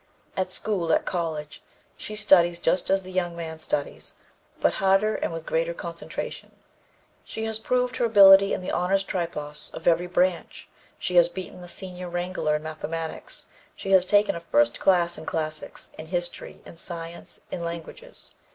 "At school, at college, she studies just as the young man studies, but harder and with greater concentration. She has proved her ability in the Honors Tripos of every branch; she has beaten the senior wrangler in mathematics; she has taken a 'first class' in classics, in history, in science, in languages.